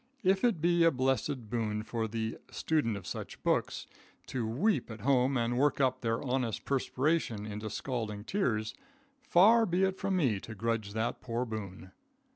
If it be a blessed boon for the student of such books to weep at home and work up their honest perspiration into scalding tears, far be it from me to grudge that poor boon.